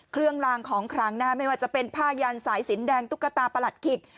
เครื่องลางของครั้งหน้าไม่ว่าจะเป็นผ้ายันสายสินแดงตุ๊กตาประหลัดขิต